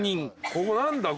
ここ何だ？